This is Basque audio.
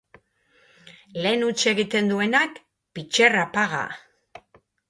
Lehen huts egiten duenak, pitxerra paga.